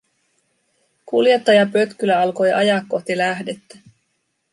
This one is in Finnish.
Kuljettajapötkylä alkoi ajaa kohti lähdettä.